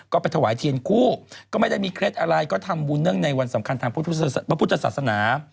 ก็ไปถวายเทียนคู่ก็ไม่ได้มีเคล็ดอะไรก็ทำบุญเนื่องในวันสำคัญทางพระพุทธศาสนา